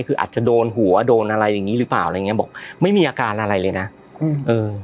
คืออาจจะโดนหัวโดนอะไรอย่างงี้หรือเปล่าอะไรอย่างเงี้บอกไม่มีอาการอะไรเลยนะอืมเออ